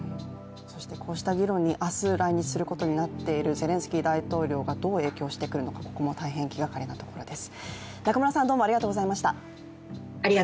そしてこうした議論に明日、来日することになっているどう影響してくるのか、ここも大変気がかりなところです。